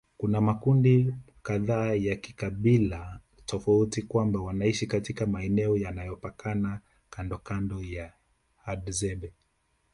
Kuna makundi kadhaa ya kikabila tofauti kwamba wanaishi katika maeneo yanayopakana kandokando na Hadzabe